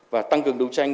và tăng cường đấu tranh